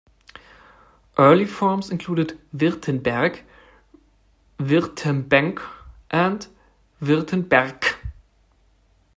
Early forms included "Wirtenberg", "Wirtembenc" and "Wirtenberc".